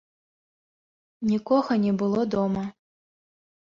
Нікога не было дома.